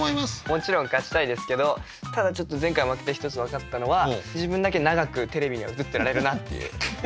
もちろん勝ちたいですけどただ前回負けて一つ分かったのは自分だけ長くテレビには映ってられるなっていう。